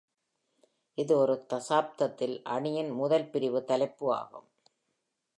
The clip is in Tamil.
இது ஒரு தசாப்தத்தில் அணியின் முதல் பிரிவு தலைப்பு ஆகும்.